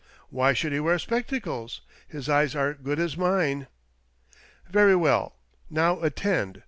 "Why should he wear spectacles ? His eyes are good as mine." "Very well. Now attend.